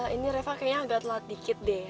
ini reva kayaknya agak telat dikit deh